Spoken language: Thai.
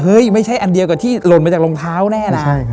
ไม่ใช่อันเดียวกับที่หล่นมาจากรองเท้าแน่นะ